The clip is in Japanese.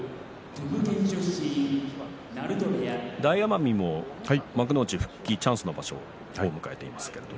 大奄美も幕内復帰チャンスの場所を迎えていますね。